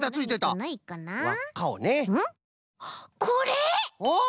これ！